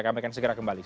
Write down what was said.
kami akan segera kembali